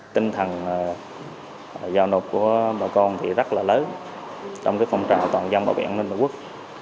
tinh thần giao nộp của bà con thì rất là lớn trong phong trào toàn dân bảo vệ an ninh tổ quốc